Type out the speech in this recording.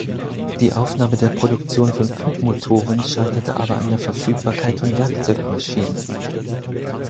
Die Aufnahme der Produktion von Flugmotoren scheiterte aber an der Verfügbarkeit von Werkzeugmaschinen.